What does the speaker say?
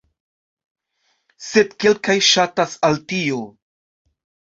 Sed kelkaj ŝatas al tio.